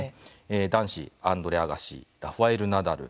男子、アンドレ・アガシラファエル・ナダル。